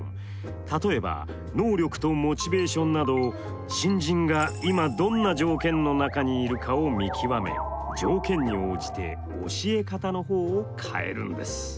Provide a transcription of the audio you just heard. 例えば能力とモチベーションなどを新人が今どんな条件の中にいるかを見極め条件に応じて教え方の方を変えるんです。